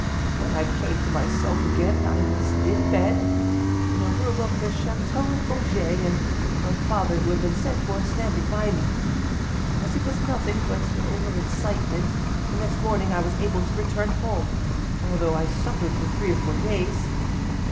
When I came to myself again, I was in bed, in a room of the château of Beaugé, and my father, who had been sent for, standing by me. As it was nothing but over excitement, the next morning I was able to return home; although I suffered for three or four days.